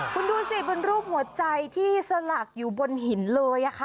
คุณดูสิเป็นรูปหัวใจที่สลักอยู่บนหินเลยค่ะ